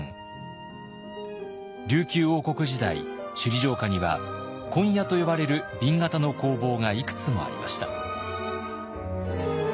琉球王国時代首里城下には紺屋と呼ばれる紅型の工房がいくつもありました。